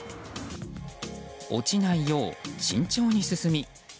落ちないよう、慎重に進み。